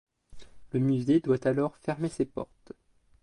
Le musée doit alors fermer ses portes.